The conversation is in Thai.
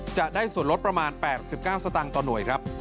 จะได้ส่วนลดประมาณ๘๙สตางค์ต่อหน่วยครับ